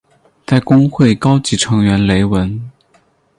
在公会高级成员雷文。